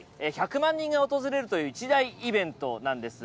１００万人が訪れるという一大イベントなんです。